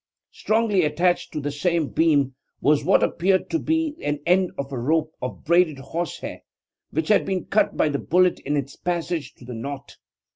Strongly attached to the same beam was what appeared to be an end of a rope of braided horsehair, which had been cut by the bullet in its passage to the knot.